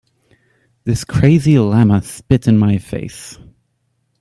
This crazy llama spit in my face.